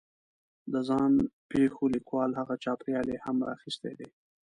د ځان پېښو لیکوال هغه چاپېریال یې هم را اخستی دی